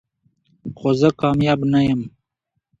خو زه کامیاب نه یم .